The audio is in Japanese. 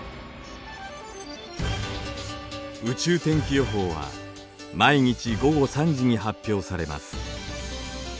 宇宙天気予報は毎日午後３時に発表されます。